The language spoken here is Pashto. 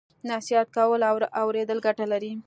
نصیحت کول او اوریدل ګټه لري.